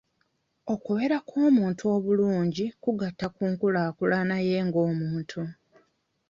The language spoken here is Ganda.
Okubeera kw'omuntu obulungi kugatta ku nkulaaakulana ye ng'omuntu.